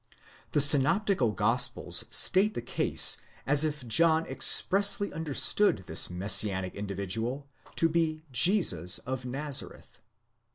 The Synoptical Gospels state the case as if John expressly understood this Messianic individual to be Jesus of Nazareth.